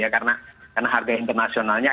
karena harga internasionalnya